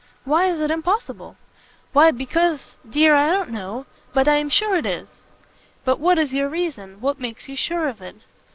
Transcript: why is it impossible?" "Why because dear, I don't know but I am sure it is." "But what is your reason? What makes you sure of it?"